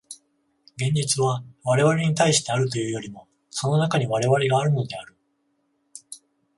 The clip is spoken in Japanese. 現実は我々に対してあるというよりも、その中に我々があるのである。